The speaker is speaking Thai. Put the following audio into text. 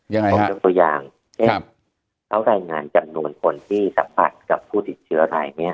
ยังไงครับตัวอย่างเขารายงานจำนวนคนที่สัมผัสกับผู้ติดเชื้อรายเนี่ย